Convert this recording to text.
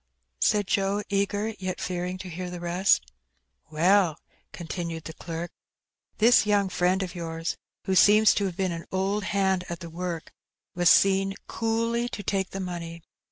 said Joe, eager, yet fearing to hear the rest. "Well," continued the clerk, "this young fiiend of yours, who seems to have been an old hand at the work, was seen coolly to take the money.